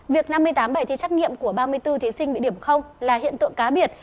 việc năm mươi tám bài thi trắc nghiệm của ba mươi bốn thí sinh bị điểm là hiện tượng cá biệt